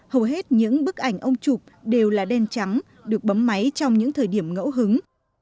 hầu hết những bức ảnh ông chụp đều là đen trắng được bấm máy trong những thời điểm ngẫu hứng